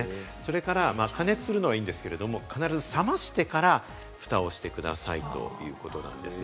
それから加熱するのはいいんですけれども、必ず冷ましてから、ふたをしてくださいということです。